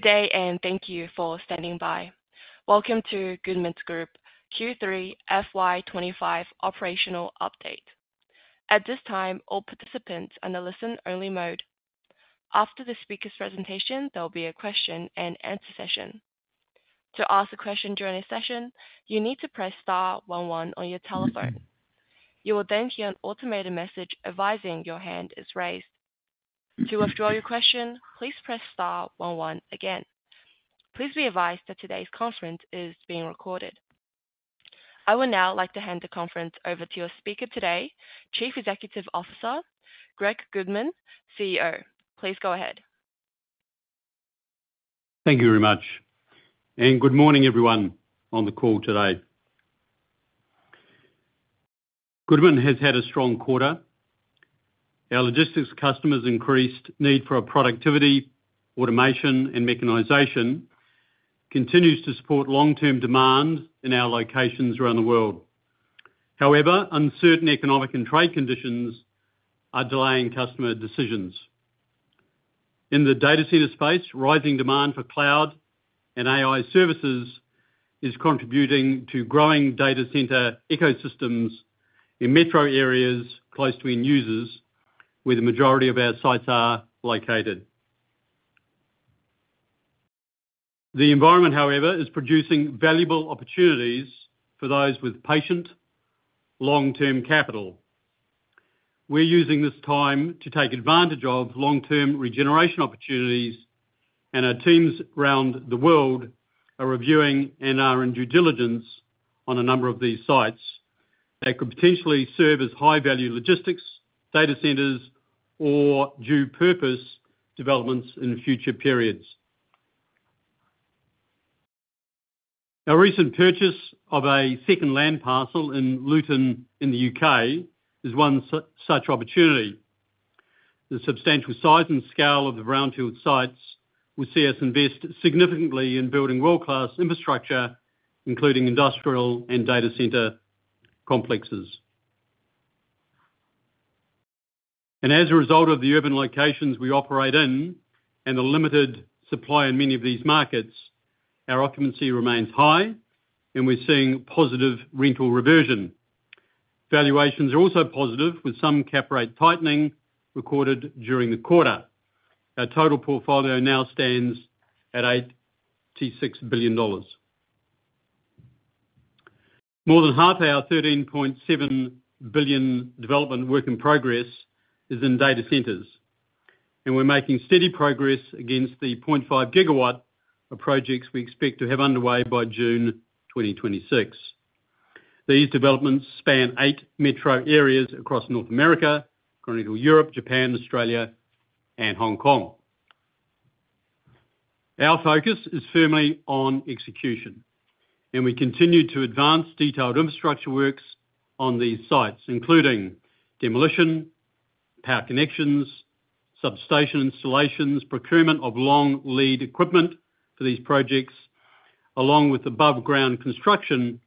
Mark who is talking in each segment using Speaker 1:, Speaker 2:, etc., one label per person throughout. Speaker 1: Good day, and thank you for standing by. Welcome to Goodman Group's Q3 FY2025 operational update. At this time, all participants are in the listen-only mode. After the speaker's presentation, there will be a question-and-answer session. To ask a question during the session, you need to press Star 11 on your telephone. You will then hear an automated message advising your hand is raised. To withdraw your question, please press Star 11 again. Please be advised that today's conference is being recorded. I would now like to hand the conference over to your speaker today, Chief Executive Officer Greg Goodman, CEO. Please go ahead.
Speaker 2: Thank you very much, and good morning, everyone on the call today. Goodman has had a strong quarter. Our logistics customers' increased need for productivity, automation, and mechanization continues to support long-term demand in our locations around the world. However, uncertain economic and trade conditions are delaying customer decisions. In the data center space, rising demand for cloud and AI services is contributing to growing data center ecosystems in metro areas close to end users, where the majority of our sites are located. The environment, however, is producing valuable opportunities for those with patient, long-term capital. We're using this time to take advantage of long-term regeneration opportunities, and our teams around the world are reviewing NR and due diligence on a number of these sites that could potentially serve as high-value logistics, data centers, or due-purpose developments in future periods. A recent purchase of a second land parcel in Luton in the U.K. is one such opportunity. The substantial size and scale of the brownfield sites will see us invest significantly in building world-class infrastructure, including industrial and data center complexes. And as a result of the urban locations we operate in and the limited supply in many of these markets, our occupancy remains high, and we're seeing positive rental reversion. Valuations are also positive, with some cap rate tightening recorded during the quarter. Our total portfolio now stands at $86 billion. More than half our 13.7 billion development work in progress is in data centers, and we're making steady progress against the 0.5 gigawatt of projects we expect to have underway by June 2026. These developments span eight metro areas across North America, continental Europe, Japan, Australia, and Hong Kong. Our focus is firmly on execution, and we continue to advance detailed infrastructure works on these sites, including demolition, power connections, substation installations, procurement of long lead equipment for these projects, along with above-ground construction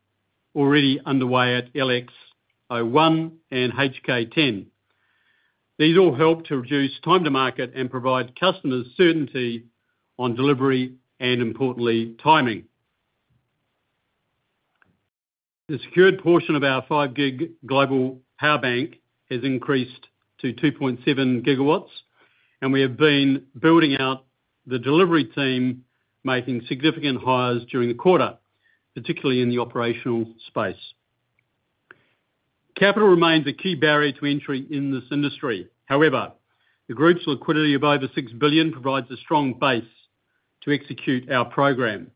Speaker 2: already underway at LAX01 and HK10. These all help to reduce time to market and provide customers certainty on delivery and, importantly, timing. The secured portion of our 5 gig global power bank has increased to 2.7 gigawatts, and we have been building out the delivery team, making significant hires during the quarter, particularly in the operational space. Capital remains a key barrier to entry in this industry. However, the group's liquidity of over 6 billion provides a strong base to execute our program.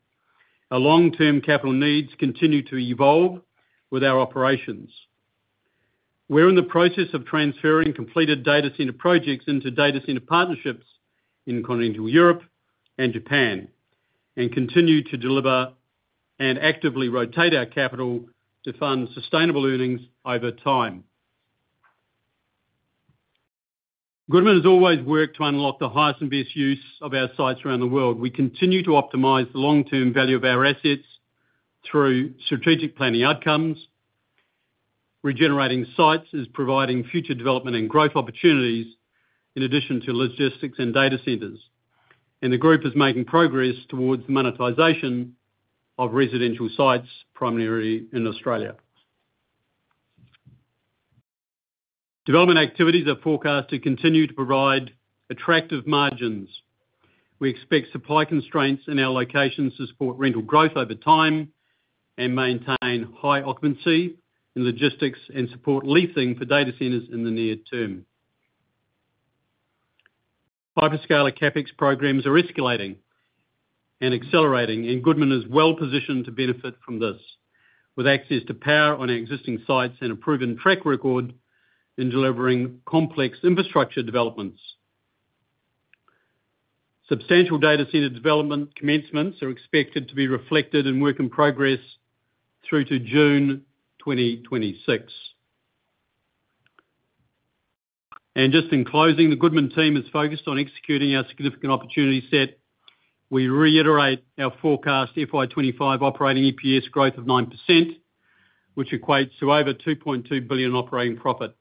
Speaker 2: Our long-term capital needs continue to evolve with our operations. We're in the process of transferring completed data center projects into data center partnerships in continental Europe and Japan, and continue to deliver and actively rotate our capital to fund sustainable earnings over time. Goodman has always worked to unlock the highest and best use of our sites around the world. We continue to optimize the long-term value of our assets through strategic planning outcomes. Regenerating sites is providing future development and growth opportunities in addition to logistics and data centers, and the group is making progress towards the monetization of residential sites, primarily in Australia. Development activities are forecast to continue to provide attractive margins. We expect supply constraints in our locations to support rental growth over time and maintain high occupancy in logistics and support leasing for data centers in the near term. Hyperscaler CapEx programs are escalating and accelerating, and Goodman is well positioned to benefit from this, with access to power on existing sites and a proven track record in delivering complex infrastructure developments. Substantial data center development commencements are expected to be reflected in work in progress through to June 2026. And just in closing, the Goodman team is focused on executing our significant opportunity set. We reiterate our forecast FY25 operating EPS growth of 9%, which equates to over 2.2 billion operating profit.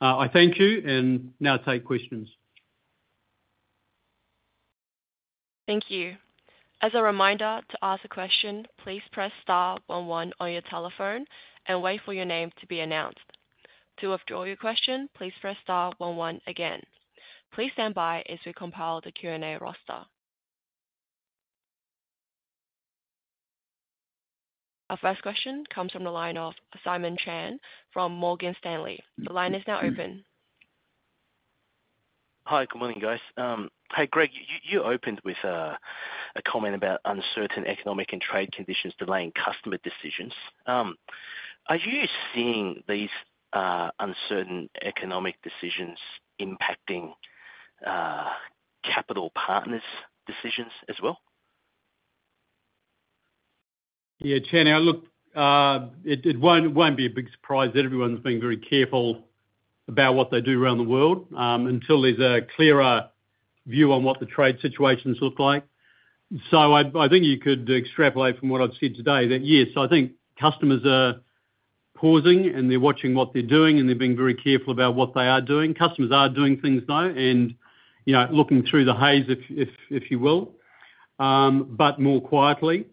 Speaker 2: I thank you and now take questions.
Speaker 1: Thank you. As a reminder, to ask a question, please press Star 11 on your telephone and wait for your name to be announced. To withdraw your question, please press Star 11 again. Please stand by as we compile the Q&A roster. Our first question comes from the line of Simon Chan from Morgan Stanley. The line is now open.
Speaker 3: Hi, good morning, guys. Hey, Greg, you opened with a comment about uncertain economic and trade conditions delaying customer decisions. Are you seeing these uncertain economic decisions impacting capital partners' decisions as well?
Speaker 2: Yeah, Chan, it won't be a big surprise that everyone's being very careful about what they do around the world until there's a clearer view on what the trade situations look like. So I think you could extrapolate from what I've said today that, yes, I think customers are pausing, and they're watching what they're doing, and they're being very careful about what they are doing. Customers are doing things now and looking through the haze, if you will, but more quietly.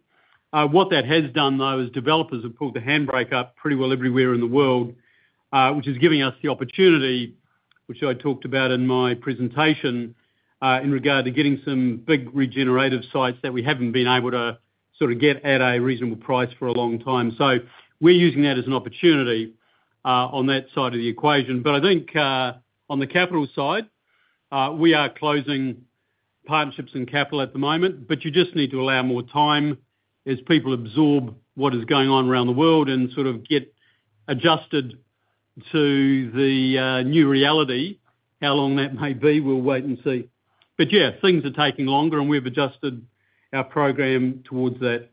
Speaker 2: What that has done, though, is developers have pulled the handbrake up pretty well everywhere in the world, which is giving us the opportunity, which I talked about in my presentation, in regard to getting some big regenerative sites that we haven't been able to sort of get at a reasonable price for a long time. So we're using that as an opportunity on that side of the equation. So I think on the capital side, we are closing partnerships and capital at the moment, but you just need to allow more time as people absorb what is going on around the world and sort of get adjusted to the new reality. How long that may be, we'll wait and see. But yeah, things are taking longer, and we've adjusted our program towards that.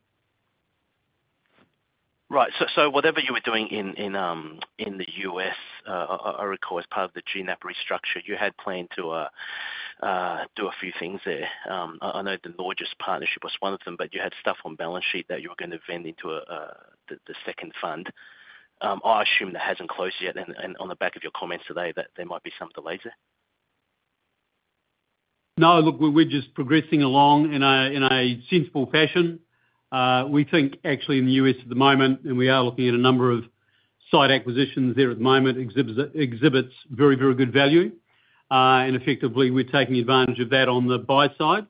Speaker 3: Right. Whatever you were doing in the US, I recall as part of the GNAP restructure, you had planned to do a few things there. I know the Lloyds partnership was one of them, but you had stuff on balance sheet that you were going to vend into the second fund. I assume that has not closed yet, and on the back of your comments today, there might be some delays there.
Speaker 2: No, look, we're just progressing along in a sensible fashion. We think, actually, in the US at the moment, and we are looking at a number of site acquisitions there at the moment, exhibits very, very good value. And effectively, we're taking advantage of that on the buy side,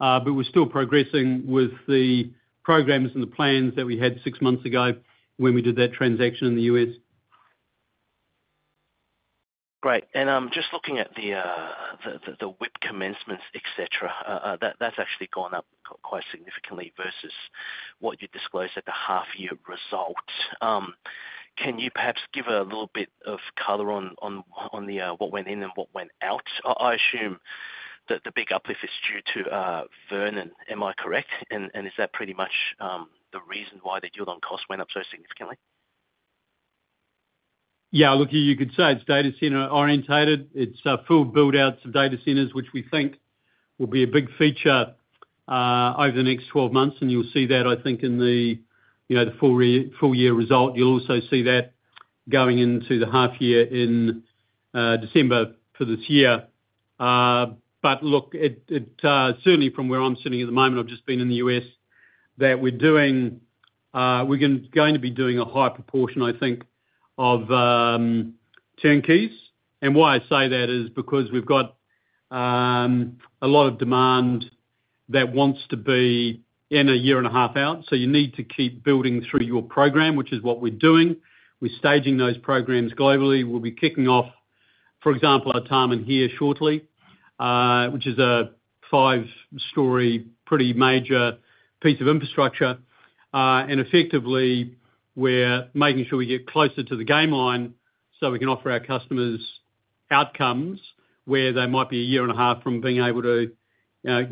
Speaker 2: but we're still progressing with the programs and the plans that we had six months ago when we did that transaction in the U.S.
Speaker 3: Great. Just looking at the WIP commencements, etc., that's actually gone up quite significantly versus what you disclosed at the half-year result. Can you perhaps give a little bit of color on what went in and what went out? I assume that the big uplift is due to Vernon. Am I correct? And is that pretty much the reason why the yield on cost went up so significantly?
Speaker 2: Yeah, look, you could say it's data center orientated. It's full build-outs of data centers, which we think will be a big feature over the next 12 months, and you'll see that, I think, in the full-year result. You'll also see that going into the half-year in December for this year. Certainly, from where I'm sitting at the moment, I've just been in the U.S., that we're going to be doing a high proportion, I think, of turnkeys. And why I say that is because we've got a lot of demand that wants to be in a year and a half out. So you need to keep building through your program, which is what we're doing. We're staging those programs globally. We'll be kicking off, for example, a time in here shortly, which is a five-story, pretty major piece of infrastructure. And effectively we're making sure we get closer to the game line so we can offer our customers outcomes where they might be a year and a half from being able to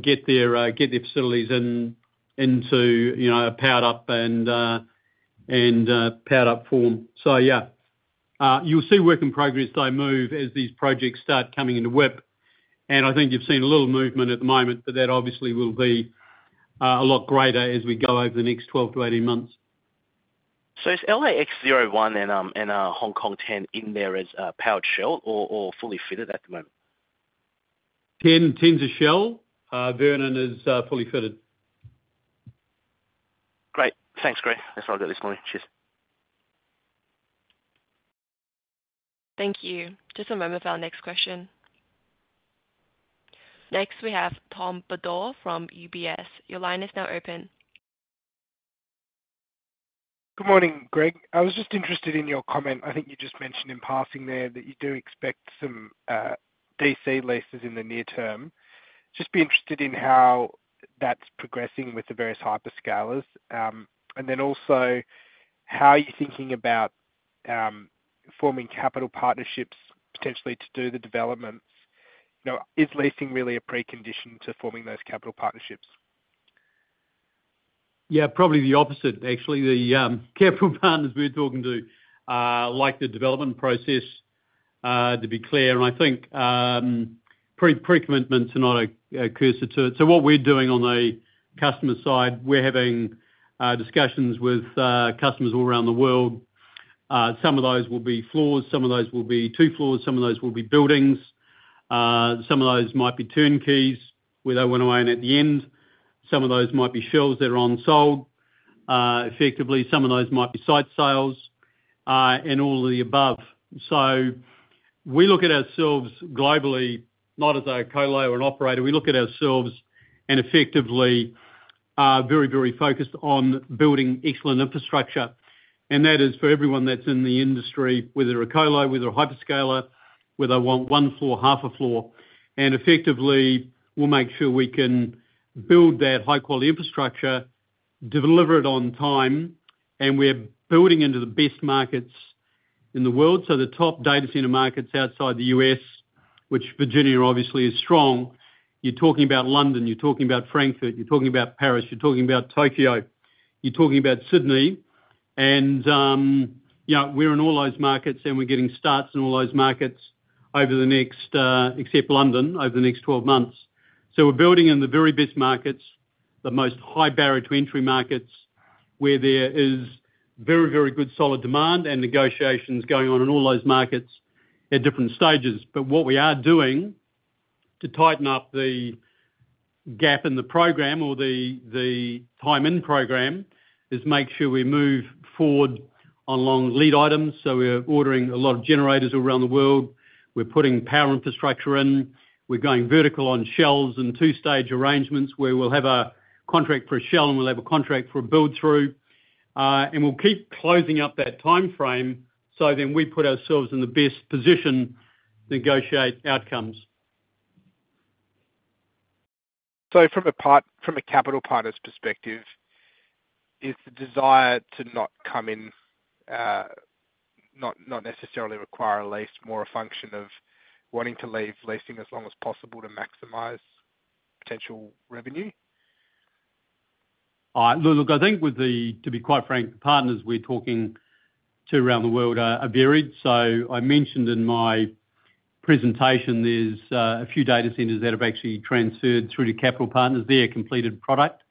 Speaker 2: get their facilities into a powered-up and powered-up form. So yeah, you'll see work in progress as they move as these projects start coming into WIP. I think you've seen a little movement at the moment, but that obviously will be a lot greater as we go over the next 12-18 months.
Speaker 3: So is LAX01 and Hong Kong 10 in there as powered shell or fully fitted at the moment?
Speaker 2: 10's a shell. Vernon is fully fitted.
Speaker 3: Great. Thanks, Greg. That's all I've got this morning. Cheers.
Speaker 1: Thank you. Just a moment for our next question. Next, we have Tom Bedor from UBS. Your line is now open.
Speaker 4: Good morning, Greg. I was just interested in your comment. I think you just mentioned in passing there that you do expect some DC leases in the near term. Just be interested in how that's progressing with the various hyperscalers. And then also, how are you thinking about forming capital partnerships potentially to do the developments? Is leasing really a precondition to forming those capital partnerships?
Speaker 2: Yeah, probably the opposite, actually. The capital partners we're talking to like the development process, to be clear. And I think pre-commitment's not a cursor to it. What we're doing on the customer side, we're having discussions with customers all around the world. Some of those will be floors. Some of those will be two floors. Some of those will be buildings. Some of those might be turnkeys where they went away and at the end. Some of those might be shells that are on-sold. Effectively, some of those might be site sales and all of the above. So we look at ourselves globally not as a co-lo or an operator. We look at ourselves and effectively are very, very focused on building excellent infrastructure. And that is for everyone that's in the industry, whether a co-lo, whether a hyperscaler, whether they want one floor, half a floor. And effectively, we'll make sure we can build that high-quality infrastructure, deliver it on time, and we're building into the best markets in the world. The top data center markets outside the U.S., which Virginia obviously is strong, you're talking about London, you're talking about Frankfurt, you're talking about Paris, you're talking about Tokyo, you're talking about Sydney. And we're in all those markets, and we're getting starts in all those markets over the next, except London, over the next 12 months. We're building in the very best markets, the most high barrier to entry markets where there is very, very good solid demand and negotiations going on in all those markets at different stages. But what we are doing to tighten up the gap in the program or the time-in program is make sure we move forward along lead items. We're ordering a lot of generators all around the world. We're putting power infrastructure in. We're going vertical on shells in two-stage arrangements where we'll have a contract for a shell and we'll have a contract for a build-through. And we'll keep closing up that time frame so we put ourselves in the best position to negotiate outcomes.
Speaker 3: From a capital partner's perspective, is the desire to not come in, not necessarily require a lease, more a function of wanting to leave leasing as long as possible to maximize potential revenue?
Speaker 2: Look, I think with the, to be quite frank, the partners we're talking to around the world are varied. I mentioned in my presentation there's a few data centers that have actually transferred through to capital partners. They have completed product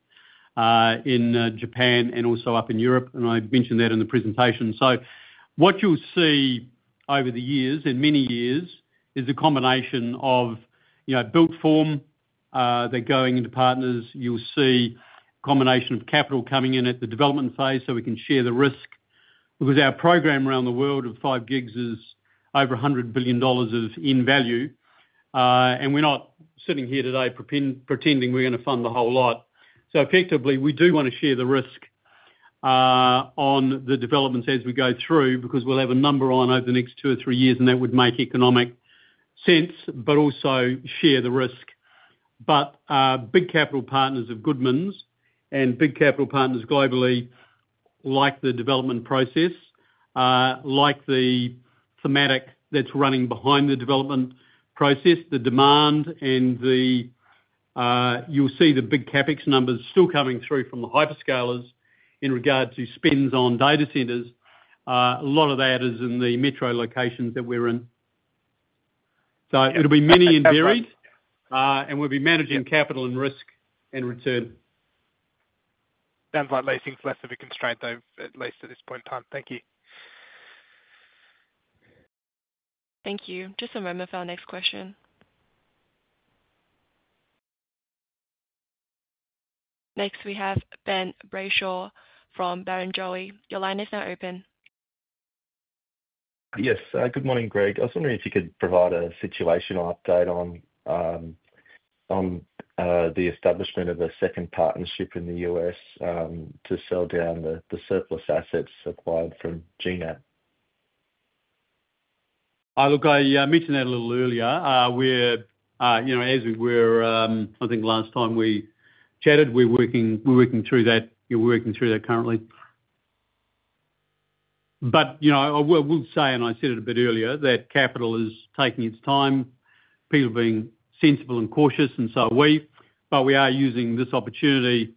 Speaker 2: in Japan and also up in Europe, and I mentioned that in the presentation. What you'll see over the years and many years is a combination of built form that going into partners. You'll see a combination of capital coming in at the development phase so we can share the risk. Because our program around the world of 5 gigs is over $100 billion in value, and we're not sitting here today pretending we're going to fund the whole lot. So effectively, we do want to share the risk on the developments as we go through because we'll have a number on over the next two or three years, and that would make economic sense, but also share the risk. But big capital partners of Goodman's and big capital partners globally like the development process, like the thematic that's running behind the development process, the demand, and you'll see the big CapEx numbers still coming through from the hyperscalers in regard to spends on data centers. A lot of that is in the metro locations that we're in. So it'll be many and varied, and we'll be managing capital and risk and return.
Speaker 3: Sounds like leasing's less of a constraint, though, at least at this point in time. Thank you.
Speaker 1: Thank you. Just a moment for our next question. Next, we have Ben Brayshaw from Barrenjoy. Your line is now open.
Speaker 5: Yes. Good morning, Greg. I was wondering if you could provide a situational update on the establishment of a second partnership in the U.S. to sell down the surplus assets acquired from GNAP.
Speaker 2: Look, I mentioned that a little earlier. As we were, I think last time we chatted, we're working through that, we're working through that currently. But I will say, and I said it a bit earlier, that capital is taking its time, people being sensible and cautious, and so are we. But we are using this opportunity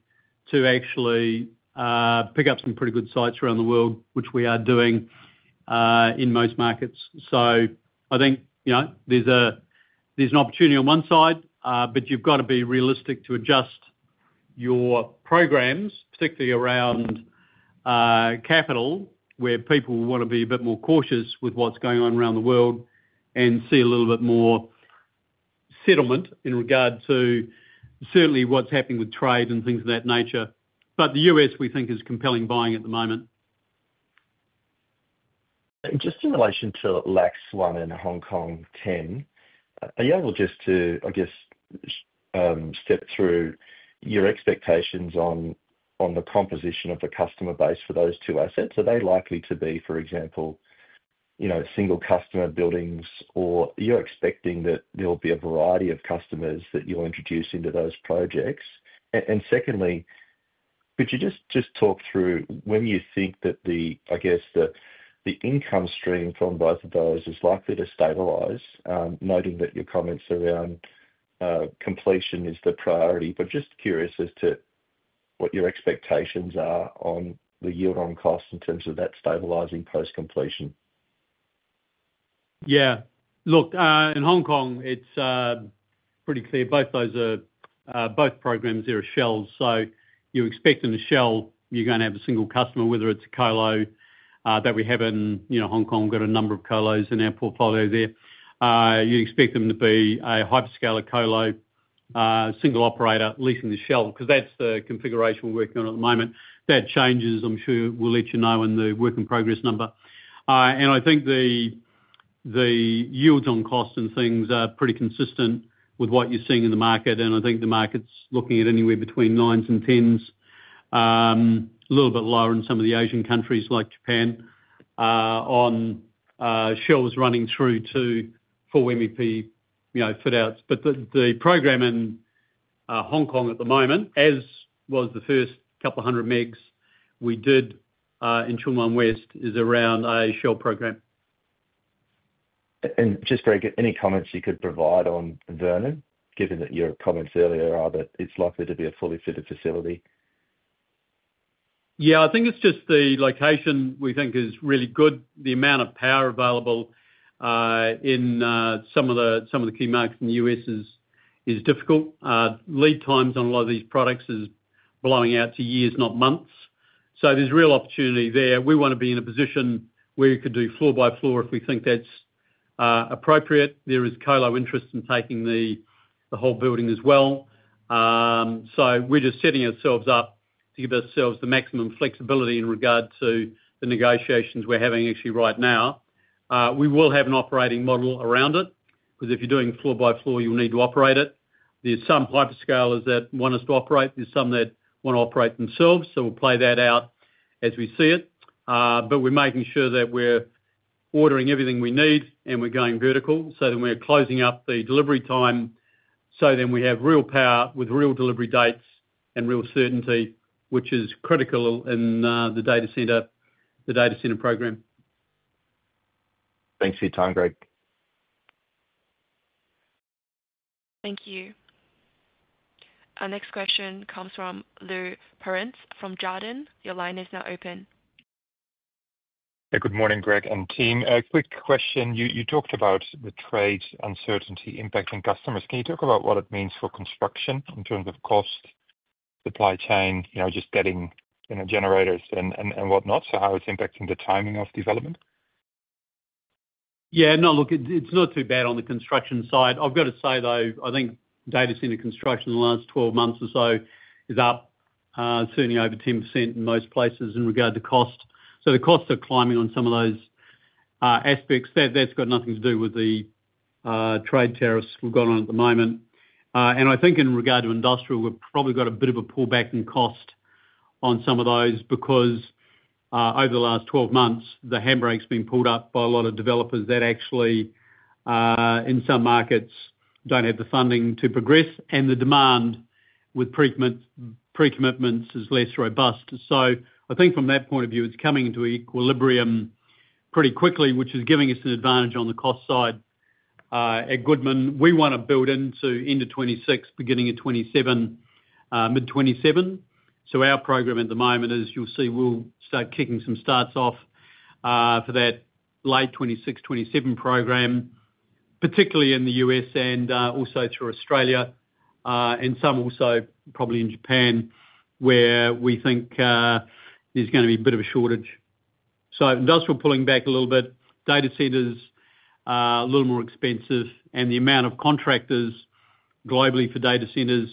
Speaker 2: to actually pick up some pretty good sites around the world, which we are doing in most markets. So I think there's an opportunity on one side, but you've got to be realistic to adjust your programs, particularly around capital, where people want to be a bit more cautious with what's going on around the world and see a little bit more settlement in regard to certainly what's happening with trade and things of that nature. The U.S., we think, is compelling buying at the moment.
Speaker 5: Just in relation to LAX1 and Hong Kong 10, are you able just to, I guess, step through your expectations on the composition of the customer base for those two assets? Are they likely to be, for example, single customer buildings, or are you expecting that there will be a variety of customers that you'll introduce into those projects? And secondly, could you just talk through when you think that the, I guess, the income stream from both of those is likely to stabilize, noting that your comments around completion is the priority? But just curious as to what your expectations are on the yield on cost in terms of that stabilizing post-completion.
Speaker 2: Yeah. Look, in Hong Kong, it's pretty clear. Both programs there are shells. You expect in a shell, you're going to have a single customer, whether it's a co-lo that we have in Hong Kong. We've got a number of co-los in our portfolio there. You expect them to be a hyperscaler co-lo, single operator leasing the shell because that's the configuration we're working on at the moment. If that changes, I'm sure we'll let you know in the work in progress number. And I think the yields on cost and things are pretty consistent with what you're seeing in the market. I think the market's looking at anywhere between 9s and 10s, a little bit lower in some of the Asian countries like Japan on shells running through to full MEP fit-outs. But the program in Hong Kong at the moment, as was the first couple of hundred megs we did in Chunglin West, is around a shell program.
Speaker 5: Greg, any comments you could provide on Vernon, given that your comments earlier are that it's likely to be a fully fitted facility?
Speaker 2: Yeah, I think it's just the location we think is really good. The amount of power available in some of the key markets in the U.S. is difficult. Lead times on a lot of these products are blowing out to years, not months. So there's real opportunity there. We want to be in a position where we could do floor by floor if we think that's appropriate. There is co-lo interest in taking the whole building as well. So we are just setting ourselves up to give ourselves the maximum flexibility in regard to the negotiations we are having actually right now. We will have an operating model around it because if you are doing floor by floor, you will need to operate it. There are some hyperscalers that want us to operate. There are some that want to operate themselves. So we will play that out as we see it. But we're making sure that we're ordering everything we need, and we're going vertical. Then we're closing up the delivery time so we have real power with real delivery dates and real certainty, which is critical in the data center program.
Speaker 5: Thanks for your time, Greg.
Speaker 1: Thank you. Our next question comes from Lou Perrince from Jardin. Your line is now open.
Speaker 6: Good morning, Greg and team. Quick question. You talked about the trade uncertainty impacting customers. Can you talk about what it means for construction in terms of cost, supply chain, just getting generators and whatnot, so how it's impacting the timing of development?
Speaker 2: Yeah. No, look, it's not too bad on the construction side. I've got to say, though, I think data center construction in the last 12 months or so is up certainly over 10% in most places in regard to cost. So the costs are climbing on some of those aspects. That's got nothing to do with the trade tariffs we've got on at the moment. And I think in regard to industrial, we've probably got a bit of a pullback in cost on some of those because over the last 12 months, the handbrake's been pulled up by a lot of developers that actually, in some markets, don't have the funding to progress, and the demand with pre-commitments is less robust. So I think from that point of view, it's coming into equilibrium pretty quickly, which is giving us an advantage on the cost side. At Goodman, we want to build into end of 26, beginning of 27, mid-27. So our program at the moment is, you'll see, we'll start kicking some starts off for that late 26-27 program, particularly in the U.S. and also through Australia, and some also probably in Japan where we think there's going to be a bit of a shortage. So industrial pulling back a little bit. Data centers are a little more expensive, and the amount of contractors globally for data centers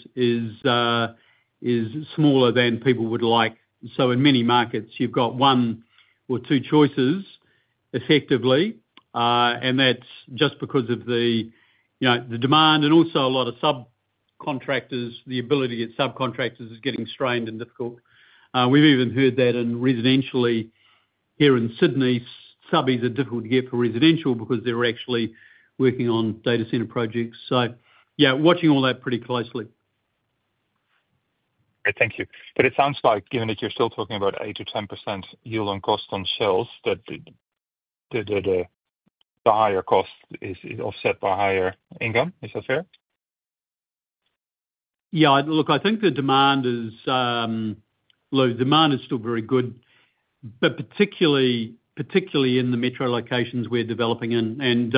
Speaker 2: is smaller than people would like. In many markets, you've got one or two choices effectively, and that's just because of the demand and also a lot of subcontractors. The ability to get subcontractors is getting strained and difficult. We've even heard that in residentially here in Sydney, subbies are difficult to get for residential because they're actually working on data center projects. Yeah, watching all that pretty closely.
Speaker 6: Great. Thank you. It sounds like, given that you're still talking about 8-10% yield on cost on shells, that the higher cost is offset by higher income. Is that fair?
Speaker 2: Yeah. Look, I think the demand is, look, demand is still very good, particularly in the metro locations we're developing in.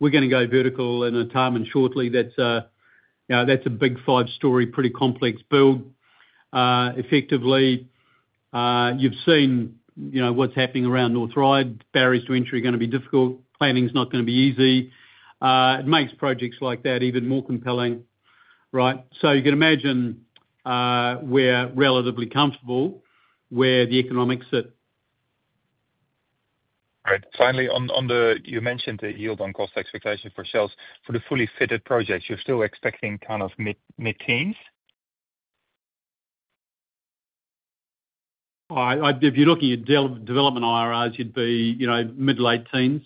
Speaker 2: We're going to go vertical in a time and shortly. That's a big five-story, pretty complex build. Effectively, you've seen what's happening around North Ryde. Barriers to entry are going to be difficult. Planning's not going to be easy. It makes projects like that even more compelling, right? So you can imagine we're relatively comfortable where the economics are at.
Speaker 6: Great. Finally, you mentioned the yield on cost expectation for shells. For the fully fitted projects, you're still expecting kind of mid-teens?
Speaker 2: If you're looking at development IRRs, you'd be middle 18s.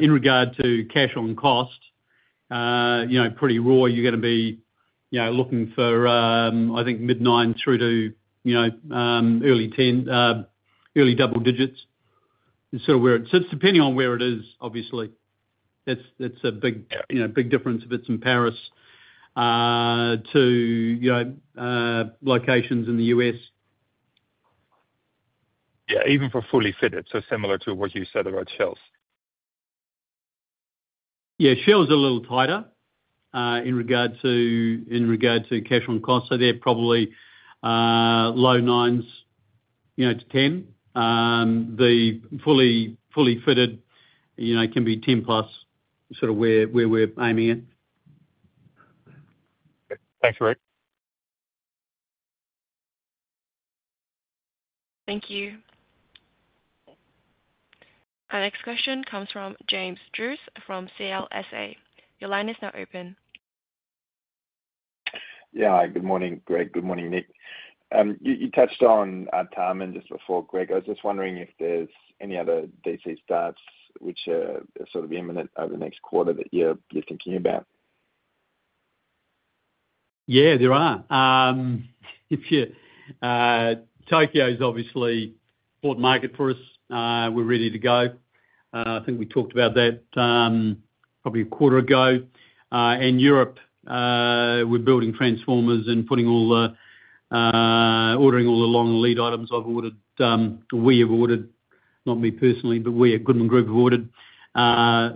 Speaker 2: In regard to cash on cost, pretty raw, you're going to be looking for, I think, mid-9 through to early 10, early double digits is sort of where it sits. Depending on where it is, obviously, that's a big difference if it's in Paris to locations in the U.S.
Speaker 6: Yeah. Even for fully fitted, so similar to what you said about shells.
Speaker 2: Yeah. Shells are a little tighter in regard to cash on cost, so they're probably low 9% to 10%. The fully fitted can be 10% plus, sort of where we're aiming at.
Speaker 6: Thanks, Greg.
Speaker 1: Thank you. Our next question comes from James Drewes from CLSA. Your line is now open.
Speaker 7: Yeah. Good morning, Greg. Good morning, Nick. You touched on time and just before, Greg, I was just wondering if there's any other DC starts which are sort of imminent over the next quarter that you're thinking about.
Speaker 2: Yeah, there are. Tokyo's obviously a bought market for us. We're ready to go. I think we talked about that probably a quarter ago. Europe, we're building transformers and ordering all the long lead items. I've ordered, we have ordered, not me personally, but we at Goodman Group have ordered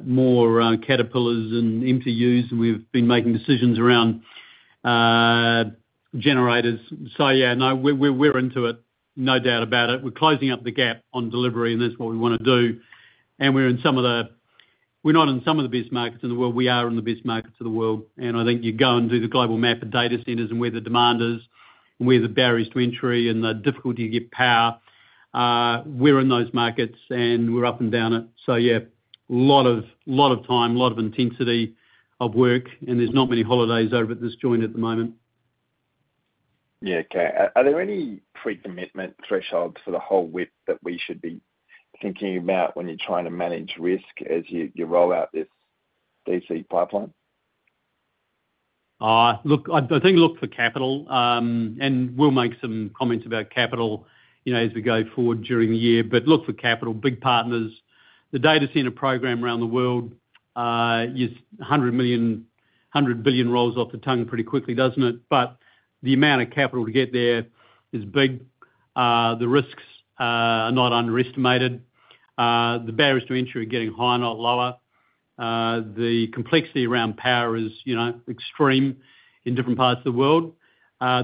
Speaker 2: more Caterpillars and MTUs, and we've been making decisions around generators. So yeah, no, we're into it. No doubt about it. We're closing up the gap on delivery, and that's what we want to do. We're not in some of the best markets in the world. We are in the best markets of the world. I think you go and do the global map of data centers and where the demand is and where the barriers to entry and the difficulty to get power. We're in those markets, and we're up and down it. So yeah, a lot of time, a lot of intensity of work, and there's not many holidays over at this joint at the moment.
Speaker 7: Yeah. Okay. Are there any pre-commitment thresholds for the whole WIP that we should be thinking about when you're trying to manage risk as you roll out this DC pipeline?
Speaker 2: Look, I think look for capital, and we'll make some comments about capital as we go forward during the year, but look for capital, big partners. The data center program around the world is 100 billion rolls off the tongue pretty quickly, doesn't it? But the amount of capital to get there is big. The risks are not underestimated. The barriers to entry are getting higher, not lower. The complexity around power is extreme in different parts of the world.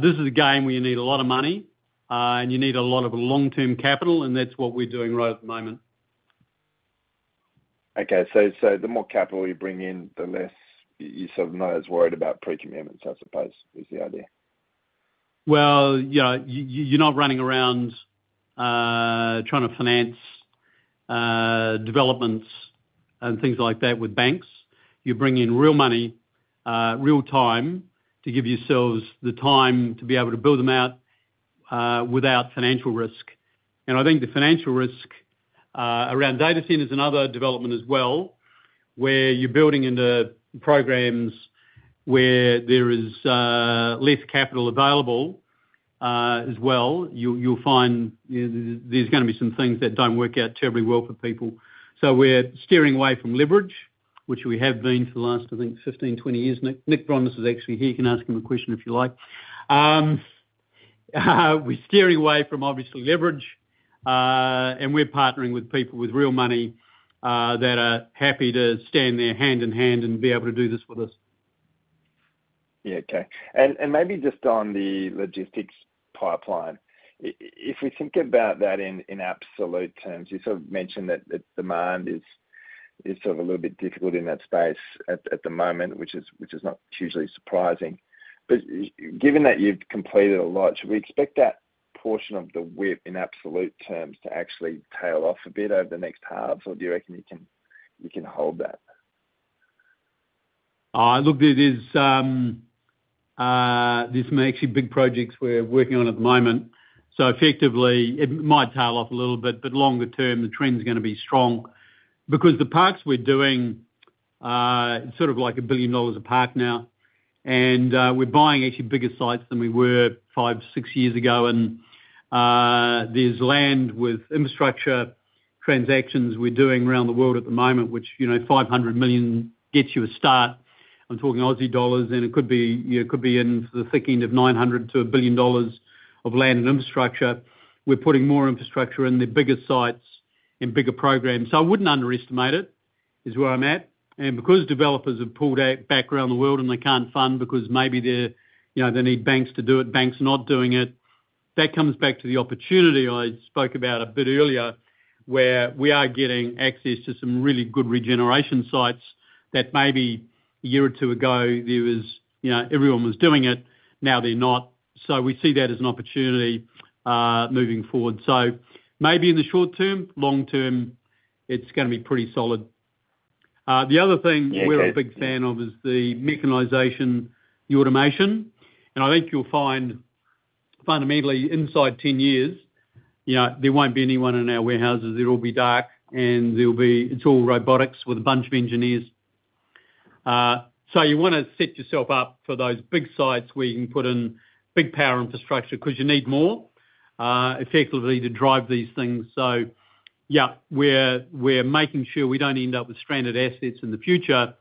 Speaker 2: This is a game where you need a lot of money, and you need a lot of long-term capital, and that's what we're doing right at the moment.
Speaker 7: Okay. So the more capital you bring in, the less you're sort of not as worried about pre-commitments, I suppose, is the idea.
Speaker 2: You're not running around trying to finance developments and things like that with banks. You're bringing in real money, real time to give yourselves the time to be able to build them out without financial risk. I think the financial risk around data centers and other development as well, where you're building into programs where there is less capital available as well, you'll find there's going to be some things that don't work out terribly well for people. So we're steering away from leverage, which we have been for the last, I think, 15-20 years. Nick Vrondas is actually here. You can ask him a question if you like. We're steering away from obviously leverage, and we're partnering with people with real money that are happy to stand their hand in hand and be able to do this with us.
Speaker 7: Yeah. Okay. Maybe just on the logistics pipeline, if we think about that in absolute terms, you sort of mentioned that demand is sort of a little bit difficult in that space at the moment, which is not hugely surprising. Given that you've completed a lot, should we expect that portion of the WIP in absolute terms to actually tail off a bit over the next halves, or do you reckon you can hold that?
Speaker 2: Look, this is actually big projects we're working on at the moment. So effectively, it might tail off a little bit, but longer term, the trend's going to be strong because the parks we're doing, it's sort of like 1 billion dollars a park now. We're buying actually bigger sites than we were five, six years ago. There's land with infrastructure transactions we're doing around the world at the moment, which 500 million gets you a start. I'm talking Aussie dollars, and it could be in the thick end of 900 to a billion dollars of land and infrastructure. We're putting more infrastructure in the bigger sites and bigger programs. I wouldn't underestimate it is where I'm at. Because developers have pulled back around the world and they cannot fund because maybe they need banks to do it, banks not doing it, that comes back to the opportunity I spoke about a bit earlier where we are getting access to some really good regeneration sites that maybe a year or two ago, everyone was doing it. Now they are not. So we see that as an opportunity moving forward. Maybe in the short term, long term, it is going to be pretty solid. The other thing we are a big fan of is the mechanization, the automation. I think you will find fundamentally inside 10 years, there will not be anyone in our warehouses. It will be dark, and it is all robotics with a bunch of engineers. So you want to set yourself up for those big sites where you can put in big power infrastructure because you need more effectively to drive these things. Yeah, we're making sure we don't end up with stranded assets in the future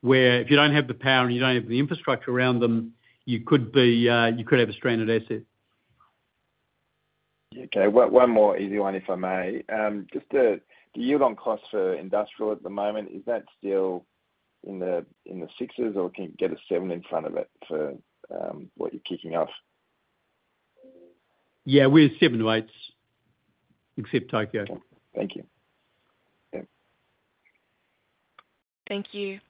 Speaker 2: where if you don't have the power and you don't have the infrastructure around them, you could have a stranded asset.
Speaker 7: Okay. One more easy one, if I may. Just the yield on cost for industrial at the moment, is that still in the 6s, or can you get a 7 in front of it for what you're kicking off?
Speaker 2: Yeah. We're seven rates, except Tokyo.
Speaker 7: Thank you.
Speaker 1: Thank you.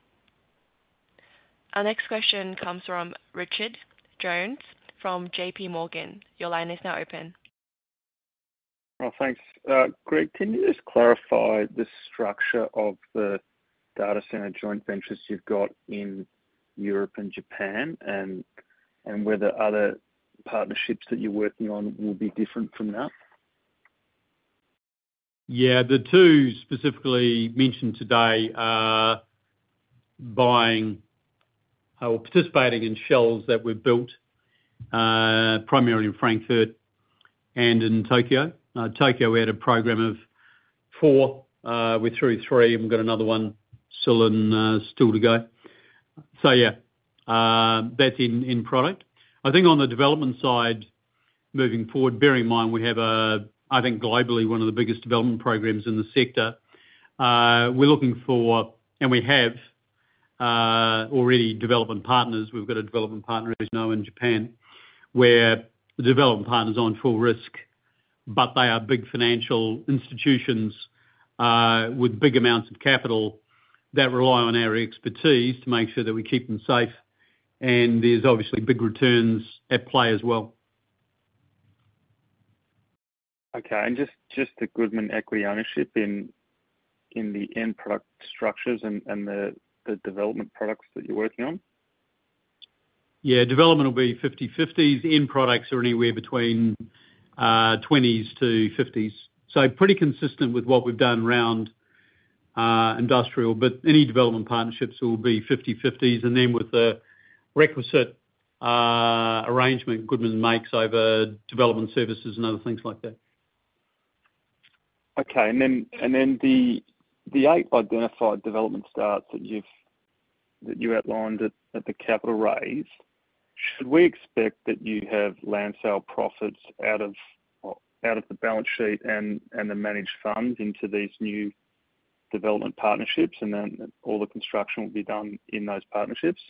Speaker 1: Our next question comes from Richard Jones from JP Morgan. Your line is now open.
Speaker 8: Thanks. Greg, can you just clarify the structure of the data center joint ventures you've got in Europe and Japan and whether other partnerships that you're working on will be different from that?
Speaker 2: Yeah. The two specifically mentioned today are buying or participating in shells that were built primarily in Frankfurt and in Tokyo. Now Tokyo had a program of four. We're through three. We've got another one still to go. Yeah, that's in product. I think on the development side moving forward, bear in mind we have, I think, globally one of the biggest development programs in the sector. We're looking for, and we have already, development partners. We've got a development partner, as you know, in Japan where the development partner's on full risk, but they are big financial institutions with big amounts of capital that rely on our expertise to make sure that we keep them safe. And there's obviously big returns at play as well.
Speaker 8: Okay. And just the Goodman equity ownership in the end product structures and the development products that you're working on?
Speaker 2: Yeah. Development will be 50/50s. End products are anywhere between 20s-50s. Pretty consistent with what we have done around industrial, but any development partnerships will be 50/50s. With the requisite arrangement, Goodman makes over development services and other things like that.
Speaker 8: Okay. And then the eight identified development starts that you outlined at the capital raise, should we expect that you have land sale profits out of the balance sheet and the managed funds into these new development partnerships, and then all the construction will be done in those partnerships?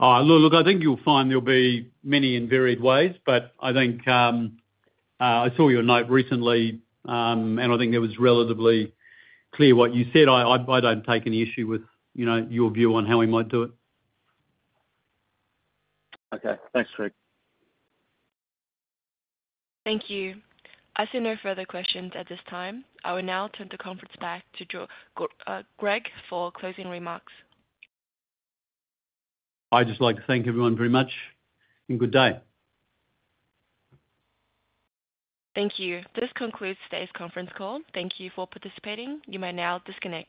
Speaker 2: Look, I think you'll find there'll be many and varied ways, but I think I saw your note recently, and I think it was relatively clear what you said. I don't take any issue with your view on how we might do it.
Speaker 5: Okay. Thanks, Greg.
Speaker 1: Thank you. I see no further questions at this time. I will now turn the conference back to Greg for closing remarks.
Speaker 2: I'd just like to thank everyone very much and good day.
Speaker 1: Thank you. This concludes today's conference call. Thank you for participating. You may now disconnect.